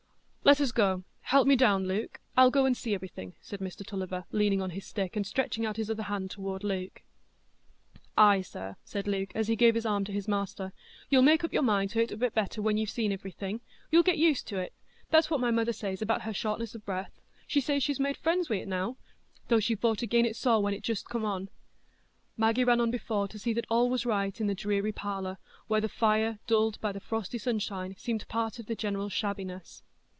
"Let us go; help me down, Luke,—I'll go and see everything," said Mr Tulliver, leaning on his stick, and stretching out his other hand toward Luke. "Ay, sir," said Luke, as he gave his arm to his master, "you'll make up your mind to't a bit better when you've seen iverything; you'll get used to't. That's what my mother says about her shortness o' breath,—she says she's made friends wi't now, though she fought again' it sore when it just come on." Maggie ran on before to see that all was right in the dreary parlour, where the fire, dulled by the frosty sunshine, seemed part of the general shabbiness.